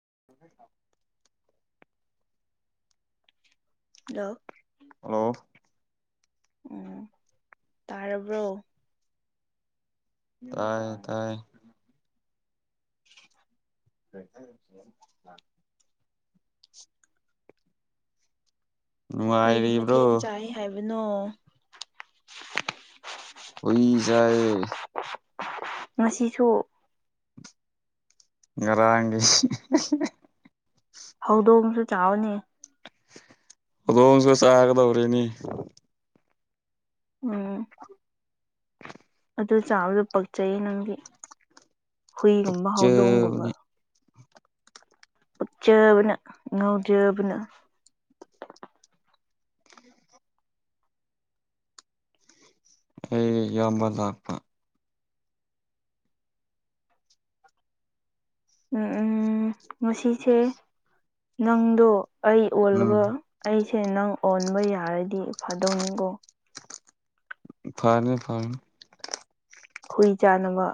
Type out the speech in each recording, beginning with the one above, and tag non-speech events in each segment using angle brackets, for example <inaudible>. <inaudible> hello hello ꯎꯝ ꯇꯥꯔꯕ꯭ꯔꯣ ꯇꯥꯏ ꯇꯥꯏꯌꯦ <unintelligible> ꯀꯔꯤ ꯅꯨꯡꯉꯥꯏꯔꯤꯕ꯭ꯔꯣ ꯃꯊꯦꯟ ꯆꯥꯏ ꯍꯥꯏꯕꯅꯣ ꯍꯨꯏ ꯆꯥꯏꯌꯦ ꯉꯁꯤꯁꯨ ꯉꯔꯥꯡꯒꯤ ꯍꯧꯗꯣꯡꯁꯨ ꯆꯥꯎꯋꯦꯅꯦ ꯍꯧꯗꯣꯡꯁꯨ ꯆꯥꯒꯗꯧꯔꯦꯅꯤ ꯎꯝ ꯑꯗꯨ ꯆꯥꯕꯗ ꯄꯛꯆꯩ ꯅꯪꯗꯤ ꯍꯨꯏꯒꯨꯝꯕ ꯍꯧꯗꯣꯡꯒꯨꯝꯕ ꯆꯦꯕꯅꯤ ꯄꯛꯆꯕꯅ ꯉꯥꯎꯖꯕꯅ ꯑꯩꯒꯤ ꯏꯌꯥꯝꯕ ꯂꯥꯛꯄ ꯎꯝ ꯎꯝ ꯉꯁꯤꯁꯦ ꯅꯪꯗꯣ ꯑꯩ ꯎꯝ ꯑꯣꯜꯂꯒ ꯑꯩꯁꯦ ꯅꯪ ꯑꯣꯟꯕ ꯌꯥꯔꯗꯤ ꯐꯥꯗꯧꯅꯤꯀꯣ ꯐꯥꯅꯤ ꯐꯥꯅꯤ ꯍꯨꯏ ꯆꯥꯅꯕ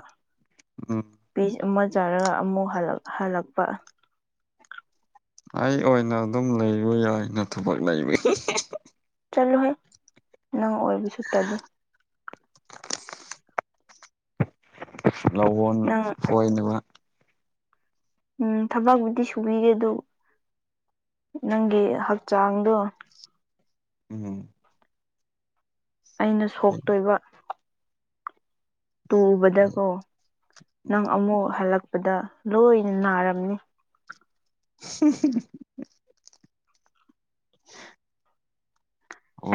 ꯎꯝ ꯄꯤ ꯑꯃ ꯆꯥꯔꯒ ꯑꯃꯨꯛ ꯍꯜꯂꯛ ꯍꯜꯂꯛꯄ ꯑꯩ ꯑꯣꯏꯅ ꯑꯗꯨꯝ ꯂꯩꯌꯣ ꯌꯥꯏ ꯅ ꯊꯕꯛ ꯂꯩꯕꯒꯤ ꯆꯠꯂꯨꯍꯩ ꯅꯪ ꯑꯣꯏꯕꯁꯨ ꯇꯜꯂꯤ ꯂꯧꯍꯣꯟ ꯅꯪ ꯐꯣꯏꯅꯕ ꯎꯝ ꯊꯕꯛꯕꯨꯨꯗꯤ ꯁꯨꯕꯤꯔꯦ ꯗꯨ ꯅꯪꯒꯤ ꯍꯛꯆꯥꯡꯗꯣ ꯎꯝ ꯑꯩꯅ ꯁꯣꯛꯇꯣꯏꯕ ꯇꯨꯕꯗ ꯀꯣ ꯅꯪ ꯑꯃꯨꯛ ꯍꯜꯂꯛꯄꯗ ꯂꯣꯏꯅ ꯅꯥꯔꯝꯅꯤ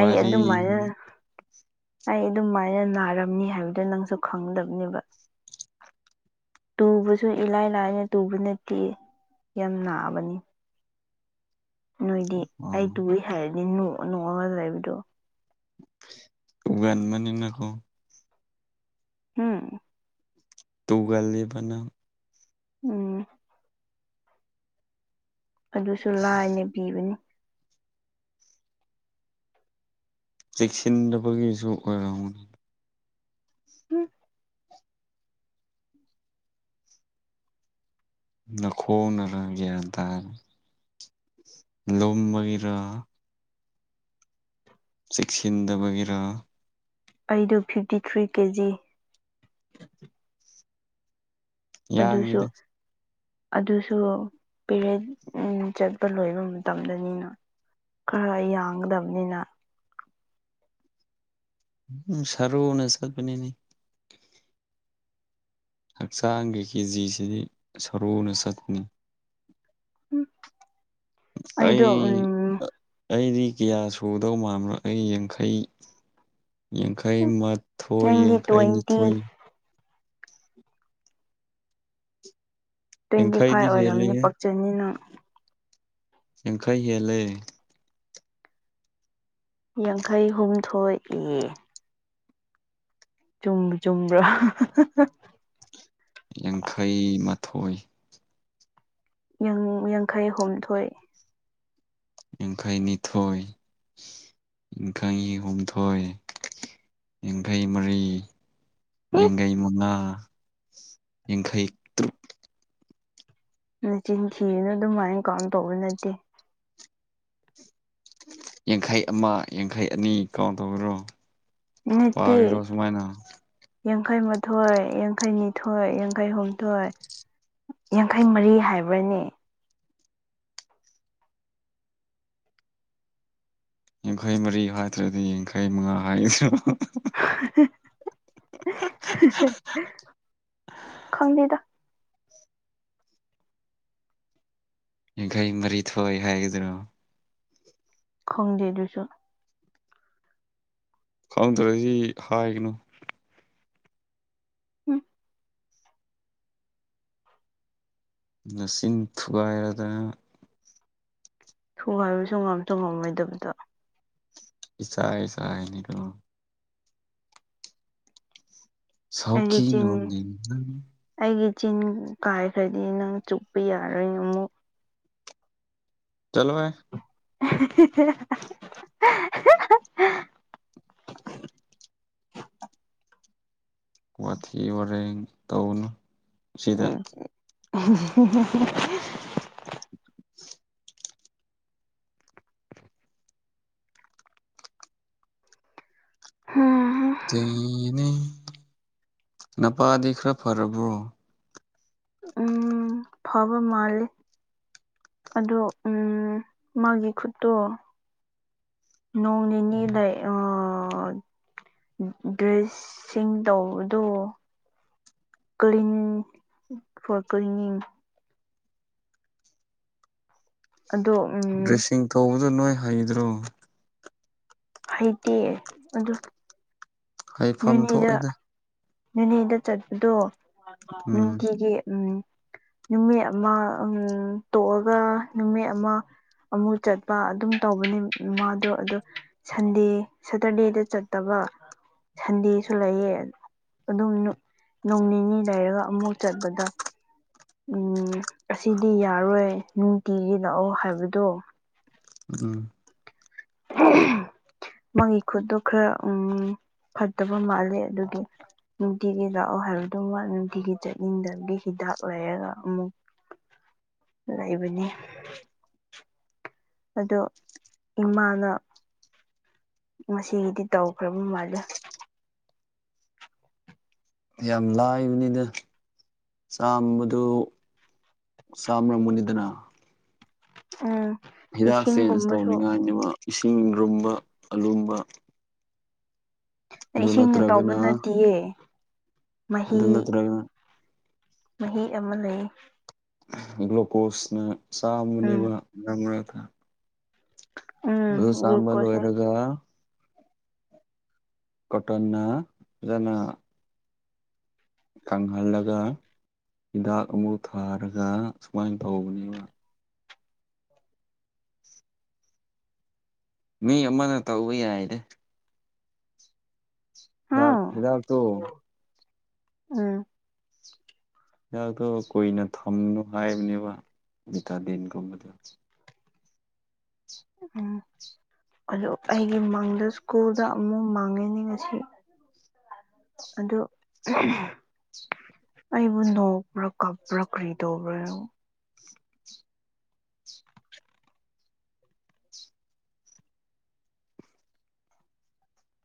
ꯑꯩ ꯑꯗꯨꯝ ꯃꯥꯏꯅ ꯑꯩ ꯑꯗꯨꯃꯥꯏꯅ ꯅꯥꯔꯝꯅꯤ ꯍꯥꯏꯕꯗꯣ ꯅꯪꯁꯨ ꯈꯪꯒꯗꯕꯅꯦꯕ ꯇꯨꯕꯁꯨ ꯏꯂꯥꯏ ꯂꯥꯏꯅ ꯇꯨꯕ ꯅꯠꯇꯤꯌꯦ ꯌꯥꯝ ꯅꯥꯕꯅꯤ ꯅꯣꯏꯗꯤ ꯑꯩ ꯎꯝ ꯇꯨꯏ ꯍꯥꯏꯔꯗꯤ ꯅꯣꯡꯑ ꯅꯣꯡꯑꯒ ꯂꯩꯕꯗꯣ ꯇꯨꯒꯟꯕꯅꯤꯅ ꯍꯨꯝ ꯇꯨꯒꯜꯂꯤꯕ ꯅꯪ ꯎꯝ ꯑꯗꯨꯁꯨ ꯂꯥꯏꯅ ꯄꯤꯕꯅꯤ ꯆꯦꯛꯁꯤꯟꯗꯕꯒꯤꯁꯨ ꯑꯣꯏꯔꯝꯅꯤ ꯍꯝ ꯅꯈꯣꯡ ꯅꯔ ꯒ꯭ꯌꯥꯟ ꯇꯥ <unintelligible> ꯂꯨꯝꯕꯒꯤꯔꯥ ꯆꯦꯛꯁꯤꯟꯗꯕꯒꯤꯔꯥ ꯑꯩꯗꯨ ꯐꯤꯞꯇꯤ ꯊ꯭ꯔꯤ ꯀꯦ ꯖꯤ ꯌꯥꯡꯉꯤꯗ ꯑꯗꯨꯁꯨ ꯄꯦꯔꯦꯠ ꯎꯝ ꯆꯠꯄ ꯂꯣꯏꯕ ꯃꯇꯝꯗꯅꯤꯅ ꯈꯔ ꯌꯥꯡꯒꯗꯕꯅꯤꯅ ꯎꯝ ꯁꯔꯨꯅꯦ ꯁꯠꯄꯅꯤꯅꯦ ꯍꯛꯆꯥꯡꯒꯤ ꯀꯦꯖꯤꯁꯤꯗꯤ ꯁꯔꯨꯅ ꯆꯠꯄꯅꯤ <unintelligible> ꯑꯩꯗꯣ ꯑꯩ ꯎꯝ ꯑꯩꯗꯤ ꯀꯤꯌꯥ ꯁꯨꯗꯧ ꯃꯥꯟꯕꯔ ꯑꯩ ꯌꯥꯡꯈꯩ ꯌꯥꯡꯈꯩ ꯃꯥꯊꯣꯏ ꯅꯪꯗꯤ ꯌꯥꯡꯈꯩ ꯇ꯭ꯋꯦꯟꯇꯤ ꯅꯤꯊꯣꯏ ꯇ꯭ꯋꯦꯟꯇꯤ ꯌꯥꯡꯈꯩꯗꯤ ꯐꯥꯏꯚ ꯑꯣꯏꯔꯝꯅꯤ ꯍꯦꯜꯂꯦꯍꯦ ꯄꯛꯆꯅꯤ ꯅꯪ ꯌꯥꯡꯈꯩ ꯍꯦꯜꯂꯦ ꯌꯥꯡꯈꯩ ꯍꯨꯝꯊꯣꯏ ꯏ ꯆꯨꯝꯕꯨ ꯆꯨꯝꯕ꯭ꯔꯥ ꯌꯥꯡꯈꯩ ꯃꯥꯊꯣꯏ ꯌꯥꯡꯈꯩ ꯍꯨꯝꯊꯣꯏ ꯌꯥꯡꯈꯩ ꯅꯤꯊꯣꯏ ꯌꯥꯡꯈꯩ ꯍꯨꯝꯊꯣꯏ ꯌꯥꯡꯈꯩ ꯃꯔꯤ ꯌꯥꯡꯈꯩ ꯃꯉꯥ ꯌꯥꯡꯈꯩ ꯇ꯭ꯔꯨꯛ ꯅꯆꯤꯟ ꯊꯤꯒꯅꯨ ꯑꯗꯨꯃꯥꯏꯅ ꯀꯥꯎꯟ ꯇꯧꯕ ꯅꯠꯇꯦ ꯌꯥꯡꯈꯩ ꯑꯃ ꯌꯥꯡꯈꯩ ꯑꯅꯤ ꯀꯥꯎꯟ ꯇꯧꯕꯔꯣ ꯄꯥꯒꯦꯔꯣ ꯁꯨꯃꯥꯏꯅ ꯌꯥꯡꯈꯩ ꯃꯥꯊꯣꯏ ꯌꯥꯡꯈꯩ ꯅꯤꯊꯣꯏ ꯌꯥꯡꯈꯩ ꯍꯨꯝꯊꯣꯏ ꯌꯥꯡꯈꯩ ꯃꯔꯤ ꯍꯥꯏꯕ꯭ꯔꯅꯦ ꯌꯥꯡꯈꯩ ꯃꯔꯤ ꯍꯥꯏꯗ꯭ꯔꯗꯤ ꯌꯥꯡꯈꯩ ꯃꯉꯥ ꯍꯥꯏꯗ꯭ꯔꯣ ꯈꯪꯗꯦꯗ ꯌꯥꯡꯈꯩ ꯃꯔꯤ ꯊꯣꯢ ꯍꯥꯏꯒꯗ꯭ꯔꯣ ꯈꯪꯗꯦ ꯑꯗꯨꯁꯨ ꯈꯪꯗ꯭ꯔꯗꯤ ꯍꯥꯏꯒꯅꯨ <unintelligible> ꯅꯆꯤꯟ ꯊꯨꯒꯥꯏꯔꯗꯅ ꯊꯨꯒꯥꯏꯕꯁꯨ ꯉꯝꯁꯨ ꯉꯝꯃꯣꯏꯗꯕꯗ ꯏꯆꯥꯏ ꯆꯥꯏꯅꯤꯗꯣ ꯑꯩꯒꯤ ꯁꯥꯎꯈꯤ ꯆꯤꯟꯅꯦ ꯅꯣꯅꯤꯡ ꯅꯪ ꯑꯩꯒꯤ ꯆꯤꯟ ꯀꯥꯏꯈ꯭ꯔꯗꯤ ꯅꯪ ꯆꯨꯞꯄꯤ ꯌꯥꯔꯣꯏ ꯑꯃꯨꯛ ꯆꯠꯂꯣꯍꯦ <unintelligible> <inaudible> ꯋꯥꯊꯤ ꯋꯥꯔꯦꯡ ꯇꯧꯅꯨ <unintelligible> <inaudible> ꯍꯝ ꯇꯦꯅꯦ ꯅꯄꯥꯗꯤ ꯈꯔ ꯐꯔꯕ꯭ꯔꯣ ꯎꯝ ꯐꯕ ꯃꯥꯜꯂꯦ ꯑꯗꯣ ꯎꯝ ꯃꯥꯒꯤ ꯈꯨꯠꯇꯣ ꯅꯣꯡ ꯅꯤꯅꯤ ꯂꯩ ꯑ ꯗ꯭ꯔꯦꯁꯁꯤꯡ ꯇꯧꯕꯗꯣ ꯀ꯭ꯂꯤꯟ ꯐꯣꯔ ꯀ꯭ꯂꯤꯅꯤꯡ ꯑꯗꯣ ꯎꯝ ꯑꯗꯨ ꯅꯣꯏ ꯍꯩꯗ꯭ꯔꯣ ꯍꯩꯇꯦ ꯑꯗꯣ ꯍꯩꯐꯝ ꯊꯣꯛꯏꯗ ꯅꯦꯅꯦꯗ ꯆꯠꯄꯗꯣ ꯎꯝ ꯅꯨꯡꯇꯤꯒꯤ ꯎꯝ ꯅꯨꯃꯤꯠ ꯑꯃ ꯎꯝ ꯇꯣꯛꯑꯒ ꯅꯨꯃꯤꯠ ꯑꯃ ꯑꯃꯨꯛ ꯆꯠꯄ ꯑꯗꯨꯝ ꯇꯧꯕꯅꯦ ꯃꯥꯗꯣ ꯑꯗꯣ ꯁꯟꯗꯦ ꯁꯇꯔꯗꯦꯗ ꯆꯠꯇꯕ <inaudible> ꯁꯟꯗꯦꯁꯨ ꯂꯩꯌꯦ ꯑꯗꯨꯝ ꯅꯣ ꯅꯣꯡ ꯅꯤꯅꯤ ꯂꯩꯔꯒ ꯑꯃꯨꯛ ꯆꯠꯄꯗ ꯎꯝ ꯑꯁꯤꯗꯤ ꯌꯥꯔꯣꯏ ꯅꯨꯡꯇꯤꯒꯤ ꯂꯥꯛꯑꯣ ꯍꯥꯏꯕꯗꯣ ꯎꯝ ꯎꯝ <unintelligible> ꯃꯥꯒꯤ ꯈꯨꯠꯇꯣ ꯈꯔ ꯎꯝ ꯐꯠꯇꯕ ꯃꯥꯜꯂꯦ ꯑꯗꯨꯒꯤ ꯅꯨꯡꯇꯤꯒꯤ ꯂꯥꯛꯑꯣ ꯍꯥꯏꯕꯗꯨꯃ ꯅꯨꯡꯇꯤꯒꯤ ꯆꯠꯅꯤꯡꯗꯕꯒꯤ ꯍꯤꯗꯥꯛ ꯂꯩꯔꯒ ꯑꯃꯨꯛ <inaudible> ꯂꯩꯕꯅꯦ ꯑꯗꯨ ꯏꯃꯥꯅ ꯉꯁꯤꯒꯤꯗꯤ ꯇꯧꯈ꯭ꯔꯕ ꯃꯥꯜꯂꯦ ꯌꯥꯝ ꯂꯥꯏꯕꯅꯤꯗ ꯆꯥꯝꯕꯗꯨ ꯆꯥꯝꯔꯝꯃꯨꯅꯤꯗꯅ ꯎꯝ ꯍꯤꯗꯥꯛ ꯆꯦꯟꯖ ꯏꯁꯤꯡꯒꯨꯝꯕꯁꯨ ꯇꯧꯅꯤꯉꯥꯏꯅꯤꯕ ꯏꯁꯤꯡꯔꯨꯝꯕ ꯑꯂꯨꯝꯕ ꯑꯗꯨ ꯏꯁꯤꯡꯅ ꯇꯧꯕ ꯅꯠꯇ꯭ꯔꯒꯅ ꯅꯠꯇꯤꯌꯦ ꯑꯗꯨ ꯃꯍꯤ ꯅꯠꯇ꯭ꯔꯒ ꯃꯍꯤ ꯑꯃ ꯂꯩꯌꯦ ꯒ꯭ꯂꯨꯀꯣꯁꯅ ꯎꯝ ꯆꯥꯝꯕꯅꯦꯕ ꯃꯔꯛ ꯃꯔꯛꯇ ꯎꯝ ꯑꯗꯨ ꯆꯥꯝꯕ ꯒ꯭ꯂꯨꯀꯣꯁꯅꯦ ꯂꯣꯏꯔꯒ ꯀꯣꯇꯟꯅ ꯐꯖꯅ ꯀꯪꯍꯜꯂꯒ ꯍꯤꯗꯥꯛ ꯑꯃꯨꯛ ꯊꯥꯔꯒ ꯁꯨꯃꯥꯏꯅ ꯇꯧꯕꯅꯦꯕ ꯃꯤ ꯑꯃꯅ ꯇꯧꯕ ꯌꯥꯏꯗ ꯗꯥꯛ ꯍꯥꯎ ꯍꯤꯗꯥꯛꯇꯣ ꯎꯝ ꯍꯤꯗꯥꯛꯇꯣ ꯀꯨꯏꯅ ꯊꯝꯅꯨ ꯍꯥꯏꯕꯅꯦꯕ ꯚꯤꯇꯥꯗꯤꯟꯒꯨꯝꯕꯗꯣ ꯎꯝ <inaudible> ꯑꯗꯨ ꯑꯩꯒꯤ ꯃꯪꯗ ꯁ꯭ꯀꯨꯜꯗ ꯑꯃꯨꯛ ꯃꯪꯉꯦꯅꯦ ꯉꯁꯤ ꯑꯗꯨ <unintelligible> <inaudible> ꯑꯩꯕꯨ ꯅꯣꯛꯄ꯭ꯔ ꯀꯞꯄ꯭ꯔ ꯀꯔꯤꯗꯧꯕꯅꯣ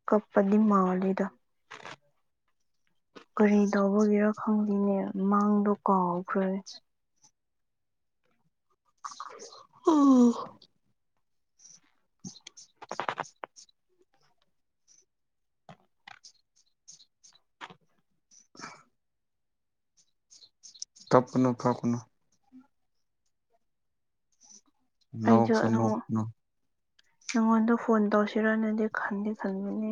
ꯀꯞꯄꯗꯤ ꯃꯥꯜꯂꯤꯗ ꯀꯔꯤ ꯇꯧꯕꯒꯤꯔ ꯈꯪꯗꯦꯅꯦ ꯃꯪꯗꯣ ꯀꯥꯎꯈ꯭ꯔꯦ ꯎꯝ <inaudible> <inaudible> ꯀꯞꯀꯅꯨ ꯀꯞꯀꯅꯨ ꯑꯩꯁꯨ ꯅꯣꯛꯁꯨ ꯑꯃꯨꯛ ꯅꯣꯛꯅꯨ ꯅꯪꯉꯣꯟꯗ ꯐꯣꯟ ꯇꯧꯁꯤꯔꯅꯗꯤ ꯈꯟꯗꯤ ꯈꯟꯕꯅꯦ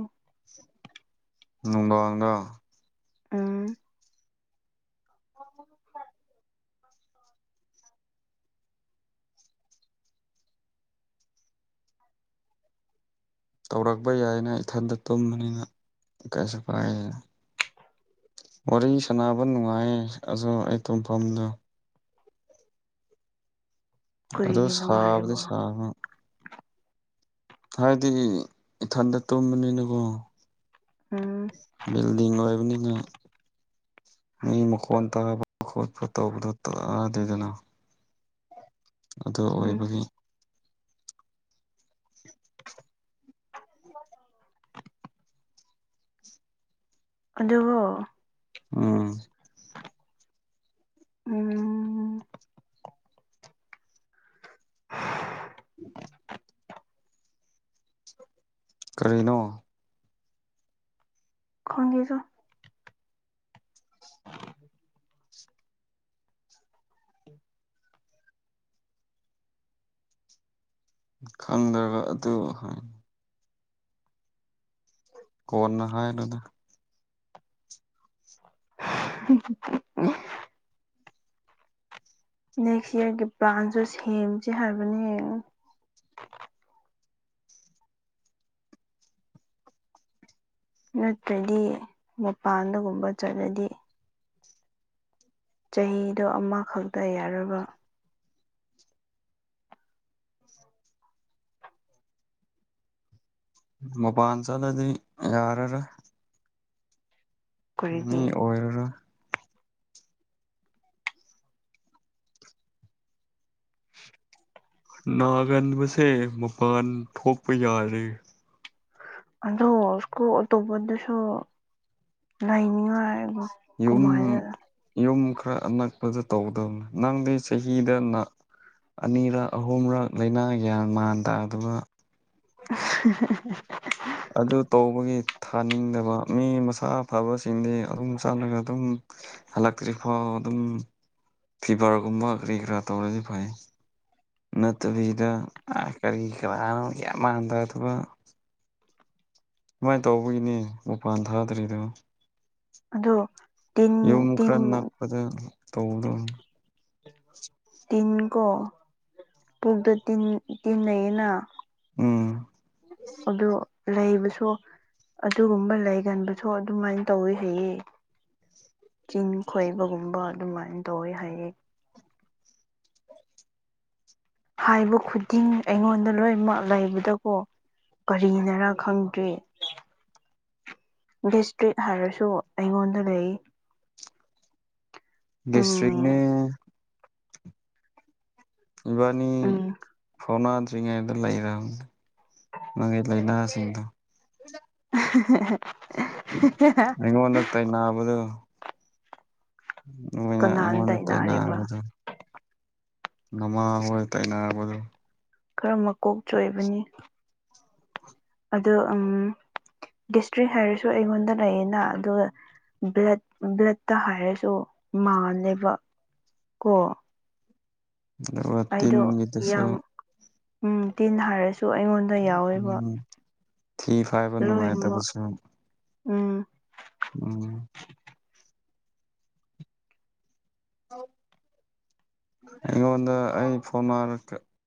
ꯅꯨꯡꯗꯥꯡꯗ ꯎꯝ ꯇꯧꯔꯛꯄ ꯌꯥꯏꯅ ꯏꯊꯟꯇ ꯇꯨꯝꯕꯅꯤꯅ ꯀꯥꯏꯁꯨ ꯀꯥꯢꯗꯦ ꯋꯥꯔꯤ ꯁꯥꯟꯅꯕ ꯅꯨꯡꯉꯥꯏꯌꯦ ꯑꯗꯣ ꯑꯩ ꯇꯨꯝꯐꯝꯗꯣ ꯑꯗꯣ ꯀꯔꯤꯒꯤ ꯁꯥꯕꯗꯤ ꯅꯨꯡꯉꯥꯏꯔꯤꯕꯣ ꯁꯥꯕ ꯍꯥꯟꯅꯗꯤ ꯏꯊꯟꯇ ꯇꯨꯝꯕꯅꯤꯅꯀꯣ ꯎꯝ ꯕꯤꯜꯗꯤꯡ ꯑꯣꯏꯕꯅꯤꯅ ꯃꯤ ꯃꯈꯣꯟ ꯇꯥꯕ ꯈꯣꯠꯄ ꯇꯧꯕꯗꯨ ꯇꯥꯗꯦꯗꯅ ꯑꯗꯨ ꯎꯝ ꯑꯣꯏꯕꯒꯤ <inaudible> ꯑꯗꯨꯕꯨ ꯑꯎꯝ ꯎꯝ <inaudible> ꯀꯔꯤꯅꯣ ꯈꯡꯗꯦ ꯆꯧ ꯈꯪꯗ꯭ꯔꯒ ꯑꯗꯨ ꯍꯣꯏ ꯀꯣꯟꯅ ꯍꯥꯏ ꯔꯣꯗ ꯍꯤ ꯍꯤ ꯍꯤꯑꯛ ꯅꯦꯛꯁ ꯏꯌꯥꯔꯒꯤ ꯄ꯭ꯂꯥꯟꯁꯨ ꯁꯦꯝꯁꯦ ꯍꯥꯏꯕꯅꯦ ꯅꯠꯇ꯭ꯔꯗꯤ ꯃꯄꯥꯟꯗꯒꯨꯝꯕ ꯆꯠꯂꯗꯤ ꯆꯍꯤꯗꯣ ꯑꯃꯈꯛꯇ ꯌꯥꯔꯕ ꯃꯄꯥꯟ ꯆꯠꯂꯗꯤ ꯌꯥꯔꯔꯣꯏ ꯃꯤ ꯀꯔꯤꯒꯤ ꯑꯣꯏꯔꯔꯣꯏ ꯅꯥꯒꯟꯕꯁꯦ ꯃꯄꯥꯟ ꯊꯣꯛꯄ ꯌꯥꯗꯔꯦ ꯑꯗꯣ ꯁꯀꯨꯜ ꯑꯇꯣꯞꯄꯗꯁꯨ ꯂꯩꯅꯤꯡꯉꯥꯏ ꯌꯨꯝ ꯀꯃꯥꯏꯅ ꯌꯨꯝ ꯈꯔ ꯑꯅꯛꯄꯗ ꯇꯧꯒꯗꯕꯅꯤ ꯅꯪꯗꯤ ꯆꯍꯤꯗ ꯑꯅꯤꯔꯛ ꯑꯍꯨꯝꯔꯛ ꯂꯥꯏꯅꯥ ꯒ꯭ꯌꯥꯟ ꯃꯥꯟ ꯇꯥꯗꯕ ꯑꯍꯥꯍꯥꯍꯥ ꯑꯗꯨ ꯇꯧꯕꯒꯤ ꯊꯥꯅꯤꯡꯗꯕ ꯃꯤ ꯃꯁꯥ ꯐꯕꯁꯤꯡꯗꯤ ꯑꯗꯨꯝ ꯆꯥꯂꯒ ꯑꯗꯨꯝ ꯍꯜꯂꯛꯇ꯭ꯔꯤ ꯐꯥꯎ ꯑꯗꯨꯝ ꯐꯤꯚꯔꯒꯨꯝꯕ ꯀꯔꯤ ꯀꯔꯥ ꯇꯧꯔꯗꯤ ꯐꯩ ꯅꯠꯇꯕꯤꯗ ꯀꯔꯤ ꯀꯔꯥꯅꯣ ꯒ꯭ꯌꯥꯟꯃꯥꯟ ꯇꯥꯗꯕ ꯁꯨꯃꯥꯏꯅ ꯇꯧꯕꯒꯤꯅꯦ ꯑꯣꯄꯥꯟ ꯊꯥꯗ꯭ꯔꯤꯗꯣ ꯑꯗꯣ ꯇꯤꯟ ꯌꯨꯝ ꯇꯤꯟ ꯈꯔ ꯅꯛꯄꯗ ꯇꯧꯗꯧꯅꯦ ꯇꯤꯟ ꯀꯣ ꯄꯨꯛꯇ ꯇꯤꯟ ꯇꯤꯟ ꯂꯩꯌꯦꯅ ꯎꯝ ꯑꯗꯣ ꯂꯩꯕꯁꯨ ꯑꯗꯨꯒꯨꯝꯕ ꯂꯩꯒꯟꯕꯁꯨ ꯑꯗꯨꯃꯥꯏꯅ ꯇꯧꯋꯤ ꯍꯌꯦꯌꯦ ꯆꯤꯟ ꯈꯣꯏꯕꯒꯨꯝꯕ ꯑꯗꯨꯃꯥꯏꯅ ꯇꯧꯋꯤ ꯍꯥꯏꯌꯦ ꯍꯥꯏꯕ ꯈꯨꯗꯤꯡ ꯑꯩꯉꯣꯟꯗ ꯂꯣꯏꯅꯃꯛ ꯂꯩꯕꯗꯣꯀꯣ ꯀꯔꯤꯅꯔꯥ ꯈꯪꯗ꯭ꯔꯦ ꯒꯦꯁꯇ꯭ꯔꯤꯛ ꯍꯥꯏꯔꯁꯨ ꯑꯩꯉꯣꯟꯗ ꯂꯩ ꯎꯝ ꯒꯦꯁꯇ꯭ꯔꯤꯛꯅꯦ ꯏꯕꯥꯅꯤ ꯎꯝ ꯐꯣꯡꯅꯥꯗ ꯗ꯭ꯔꯤꯉꯩꯗ ꯂꯩꯔꯝꯅꯤ ꯅꯪꯒꯤ ꯂꯥꯏꯅꯥꯁꯤꯡꯗꯣ ꯍꯥꯍꯥ ꯑꯩꯉꯣꯟꯗ ꯇꯥꯏꯅꯕꯗꯣ ꯍꯥꯍꯥꯍꯥ ꯅꯣꯏꯅ ꯀꯅꯥꯅ ꯑꯩꯉꯣꯟꯗ ꯇꯥꯏꯅꯔꯤꯕ ꯇꯥꯏꯅꯕꯗꯣ ꯅꯃꯥ ꯍꯣꯏ ꯇꯥꯏꯅꯕꯗꯨ ꯈꯔ ꯃꯀꯣꯛ ꯆꯣꯏꯕꯅꯤ ꯑꯗꯣ ꯎꯝ ꯒꯦꯁꯇ꯭ꯔꯤꯛ ꯍꯥꯏꯔꯁꯨ ꯑꯩꯉꯣꯟꯗ ꯂꯩꯌꯦꯅ ꯑꯗꯨꯒ ꯕ꯭ꯂꯠ ꯕ꯭ꯂꯠꯇ ꯍꯥꯏꯔꯁꯨ ꯃꯥꯜꯂꯦꯕ ꯀꯣ ꯑꯗꯨꯒ ꯑꯩꯗꯣ ꯇꯤꯟꯒꯤꯗꯁꯨ ꯌꯥꯝ ꯎꯝ ꯇꯤꯟ ꯍꯥꯏꯔꯁꯨ ꯑꯩꯉꯣꯟꯗ ꯌꯥꯎꯋꯦꯕ ꯎꯝ ꯊꯤ ꯐꯥꯏꯕ ꯂꯣꯏꯅꯃꯛ ꯅꯨꯡꯉꯥꯏꯇꯕꯁꯨ ꯎꯝ ꯎꯝ ꯑꯩꯉꯣꯟꯗ ꯑꯩ ꯐꯣꯟ ꯃꯂꯛꯇꯦ